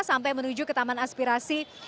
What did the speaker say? sampai menuju ke taman aspirasi